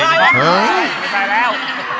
โอ้ยไม่ใส่แล้ว